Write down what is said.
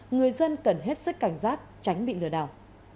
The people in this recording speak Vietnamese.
người dân cần hết sức cảnh giác tránh bị lừa đảo